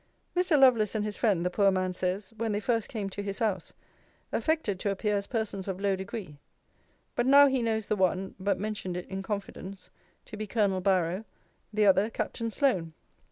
Mr. Lovelace and his friend, the poor man says, when they first came to his house, affected to appear as persons of low degree; but now he knows the one (but mentioned it in confidence) to be Colonel Barrow, the other Captain Sloane.